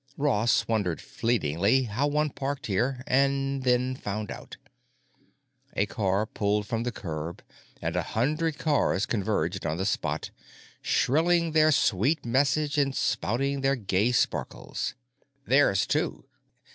Ross wondered fleetingly how one parked here, and then found out. A car pulled from the curb and a hundred cars converged on the spot, shrilling their sweet message and spouting their gay sparkles. Theirs too!